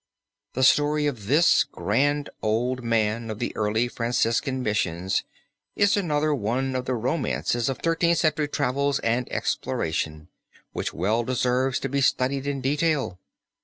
The story of this grand old man of the early Franciscan missions is another one of the romances of Thirteenth Century travels and exploration which well deserves to be studied in detail.